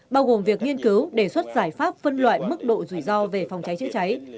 bao gồm việc nghiên cứu đề xuất giải pháp phân loại mức độ rủi ro về phòng cháy chữa cháy